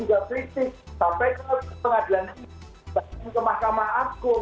ini juga krisik sampai ke pengadilan ipi bahkan ke mahkamah akun